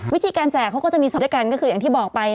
วิธีการแจกมันก็จะมีที่สักคืออย่างที่บอกไป